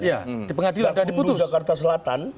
gakung lunga jakarta selatan